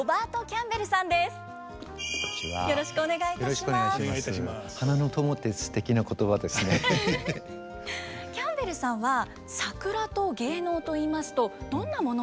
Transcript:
キャンベルさんは桜と芸能といいますとどんなものを思い浮かべますか？